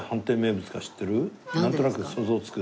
なんとなく想像つく？